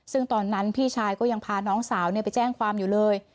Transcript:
ซึ่งตอนนั้นพี่ชายก็ยังพาน้องสาวไปแจ้งความอยู่เลย